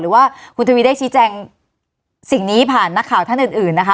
หรือว่าคุณทวีได้ชี้แจงสิ่งนี้ผ่านนักข่าวท่านอื่นนะคะ